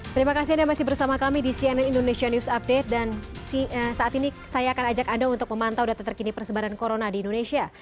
terima kasih anda masih bersama kami di cnn indonesia news update dan saat ini saya akan ajak anda untuk memantau data terkini persebaran corona di indonesia